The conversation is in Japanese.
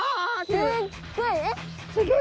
すっごいえ！？